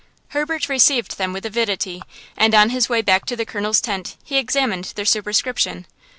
Herbert received them with avidity, and on his way back to the Colonel's tent he examined their superscription.